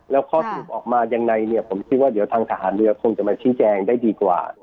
แล้วข้อสรุปออกมายังไงเนี่ยผมคิดว่าเดี๋ยวทางทหารเรือคงจะมาชี้แจงได้ดีกว่า